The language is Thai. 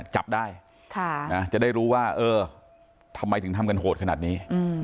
จับได้จะได้รู้ว่าเออทำไมถึงทำกันโหดขนาดนี้